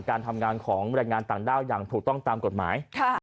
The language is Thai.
การทำงานของแรงงานต่างด้าวอย่างถูกต้องตามกฎหมาย